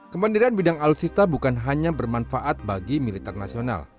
kemandirian bidang alutsista bukan hanya bermanfaat bagi militer nasional